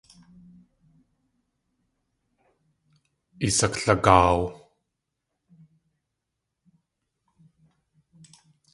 Isaklagaaw!